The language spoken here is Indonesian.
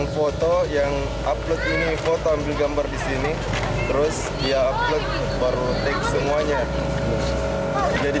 foto yang upload ini foto ambil gambar di sini terus dia upload baru take semuanya jadi